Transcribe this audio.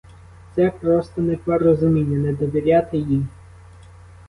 Це просто непорозуміння — не довіряти їй.